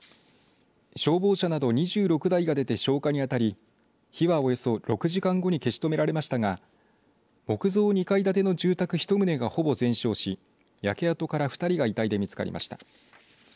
消防車など２６台が出て消火にあたり火は、およそ６時間後に消し止められましたが木造２階建ての住宅１棟がほぼ全焼し焼け跡から２人が遺体で見つかりました。